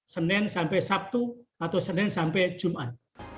senin sampai sabtu atau senin sampai jumat